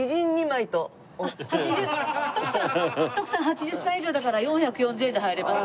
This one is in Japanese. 徳さん徳さん８０歳以上だから４４０円で入れます。